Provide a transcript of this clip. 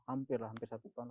hampir hampir satu ton